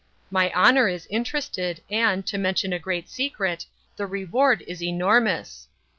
My honor is interested, and, to mention a great secret, the reward is enormous.